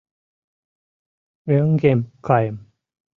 — Мӧҥгем каем...